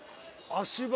足場？